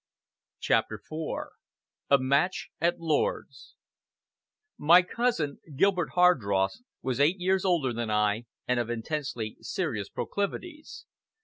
CHAPTER IV A MATCH AT LORD'S My cousin, Gilbert Hardross, was eight years older than I, and of intensely serious proclivities.